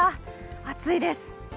暑いです。